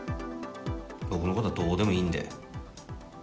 僕のことはどうでもいいんで。